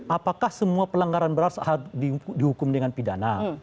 apakah semua pelanggaran berat seharusnya dihukum dengan pidananya